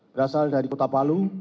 berasal dari kota palu